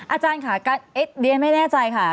อาจารย์ค่ะเรียนไม่แน่ใจค่ะ